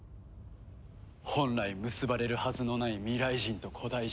本来結ばれるはずのない未来人と古代人。